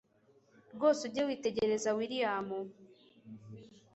rwose ujye witegereza william